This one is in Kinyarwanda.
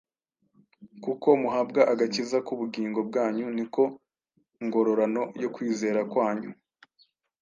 kuko muhabwa agakiza k’ubugingo bwanyu, ni ko ngororano yo kwizera kwanyu